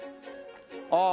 ああ。